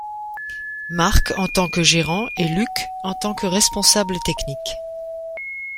Marc en tant que gérant et Luc en tant que responsable technique.